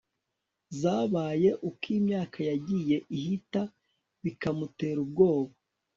zabaye, uko imyaka yagiye ihita, bikamutera ubwoba